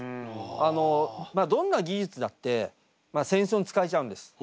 あのまあどんな技術だって戦争に使われちゃうんです。